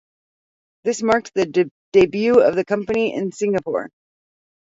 This marked the debut of the company in Singapore.